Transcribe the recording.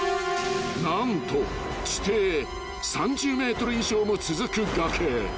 ［何と地底へ３０ｍ以上も続く崖］